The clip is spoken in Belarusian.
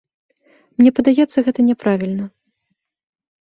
Мне падаецца, гэта няправільна.